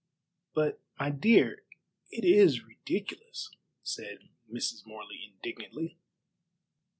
"But, my dear, it is ridiculous," said Mrs. Morley indignantly.